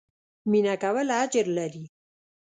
مينه کول اجر لري